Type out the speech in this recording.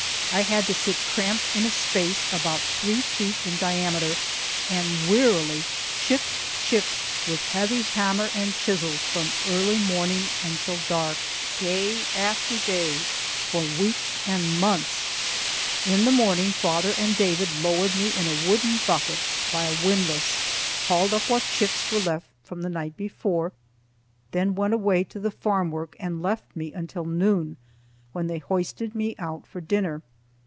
I had to sit cramped in a space about three feet in diameter, and wearily chip, chip, with heavy hammer and chisels from early morning until dark, day after day, for weeks and months. In the morning, father and David lowered me in a wooden bucket by a windlass, hauled up what chips were left from the night before, then went away to the farm work and left me until noon, when they hoisted me out for dinner.